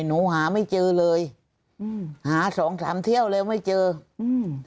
หนูหาไม่เจอเลยอืมหาสองสามเที่ยวแล้วไม่เจออืม